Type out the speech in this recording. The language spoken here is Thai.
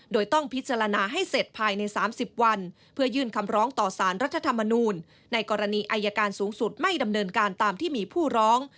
โดยต้องพิจารณาให้เสร็จภายใน๓๐วันเพื่อยื่นคำร้องต่อสารรัฐธรรมนูลในกรณีอายการสูงสุดไม่ดำเนินการตามที่มีผู้ร้อง